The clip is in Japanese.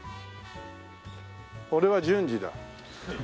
俺は純次だ。